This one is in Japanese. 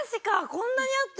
こんなにあって！？